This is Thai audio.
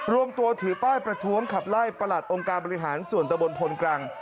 รวมตัวถือป้ายประท้วงขับไล่ประหลัดองค์การบริหารส่วนตะบนพลกรัง